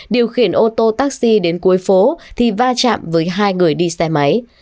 điều khiển ô tô taxi đến cuối phố thì va chạm với hai người đi xe máy